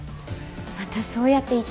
またそうやって言って。